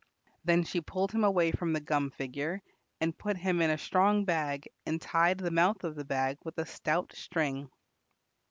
Then she pulled him away from the gum figure and put him in a strong bag and tied the mouth of the bag with a stout string.